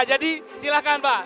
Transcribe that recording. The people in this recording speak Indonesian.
jadi silakan pak